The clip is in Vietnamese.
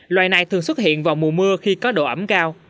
loài này thường xuất hiện vào mùa mưa khi có độ ẩm cao